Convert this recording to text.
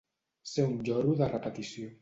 Ser un lloro de repetició.